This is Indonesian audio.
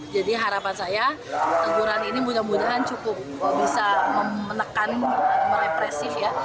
harapan saya teguran ini mudah mudahan cukup bisa menekan merepresif ya